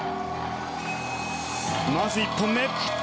まず１本目！